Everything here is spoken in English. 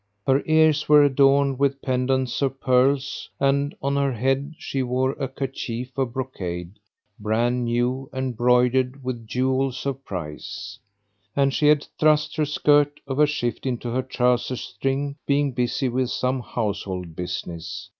Her ears were adorned with pendants of pearls and on her head she wore a kerchief[FN#528] of brocade, brand new and broidered with jewels of price. And she had thrust the skirt of her shift into her trousers string being busy with some household business.